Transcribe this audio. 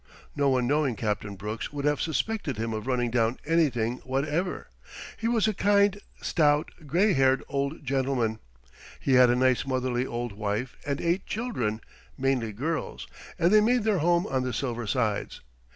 No one knowing Captain Brooks would have suspected him of running down anything whatever. He was a kind, stout, gray haired old gentleman. He had a nice, motherly old wife and eight children, mainly girls, and they made their home on the Silver Sides.